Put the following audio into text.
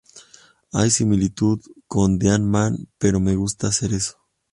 Hay similitudes con "Dead Man", pero me gusta hacer eso.